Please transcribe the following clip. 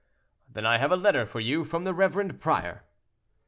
"Then I have a letter for you from the reverend prior."